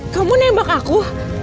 kamu nembak aku